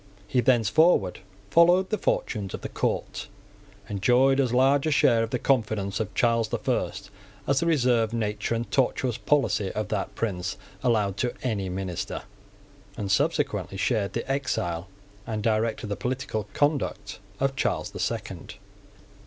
He thenceforward followed the fortunes of the court, enjoyed as large a share of the confidence of Charles the First as the reserved nature and tortuous policy of that prince allowed to any minister, and subsequently shared the exile and directed the political conduct of Charles the Second.